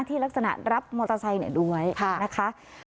ที่ลักษณะรับมอเตอร์ไซค์เนี้ยด้วยค่ะนะคะ